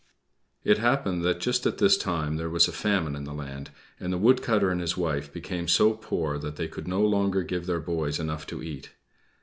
It happened that just at this time there was a famine in the land, and the woodcutter and his wife became so poor that they could no longer give their boys enough to eat.